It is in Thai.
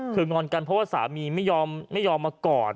คืองอนกันเพราะว่าสามีไม่ยอมมากอด